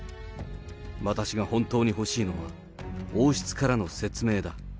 私が本当に欲しいのは、王室からの説明だ。